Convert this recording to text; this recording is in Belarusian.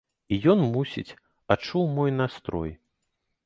І ён, мусіць, адчуў мой настрой.